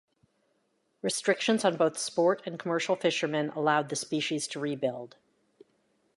Restrictions on both sport and commercial fishermen allowed the species to rebuild.